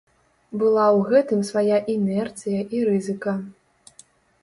Была ў гэтым свая інерцыя і рызыка.